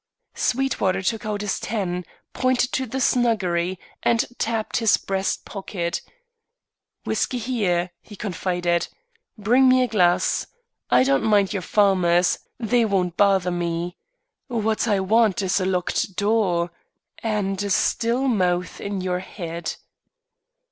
Sweetwater took out his ten; pointed to the snuggery, and tapped his breast pocket. "Whiskey here," he confided. "Bring me a glass. I don't mind your farmers. They won't bother me. What I want is a locked door and a still mouth in your head."